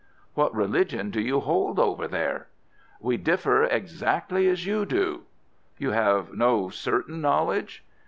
"What religion do you hold over there?" "We differ exactly as you do." "You have no certain knowledge?"